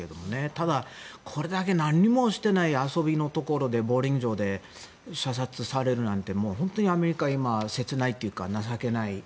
ただ、これだけ何もしていない遊びのところでボウリング場で射殺されるなんてアメリカは今、切ないというか情けない。